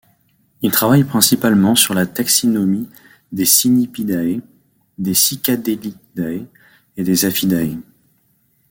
Il travaille principalement sur la taxinomie des Cynipidae, des Cicadellidae et des Aphidae.